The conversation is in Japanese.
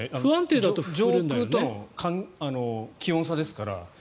上空との気温差ですから。